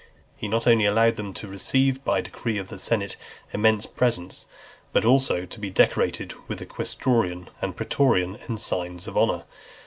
He not only allowed them to receive, by decree of the senate, immense presents, but also to be decorated with the quaestorian and praetorian ensigns of honour.